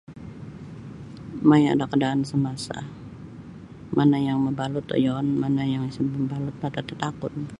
Maya' da kaadaan samasa mana yang mabalut oyoon mana yang isa mabalut tata tatakun.